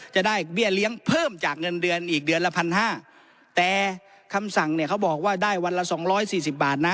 จะได้เบี้ยเลี้ยงเพิ่มจากเงินเดือนอีกเดือนละพันห้าแต่คำสั่งเนี่ยเขาบอกว่าได้วันละสองร้อยสี่สิบบาทนะ